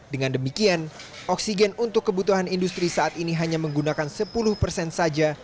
dengan demikian oksigen untuk kebutuhan industri saat ini hanya menggunakan sepuluh persen saja